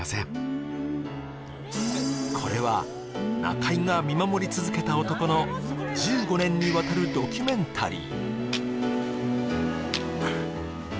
これは中居が見守り続けた男の１５年にわたるドキュメンタリー